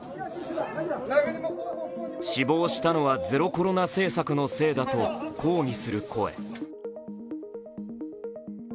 死亡したのはゼロコロナ政策のせいだと抗議する声。